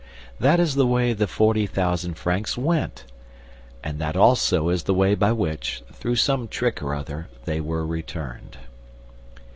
That is the way the forty thousand francs went! ... And that also is the way by which, through some trick or other, they were returned.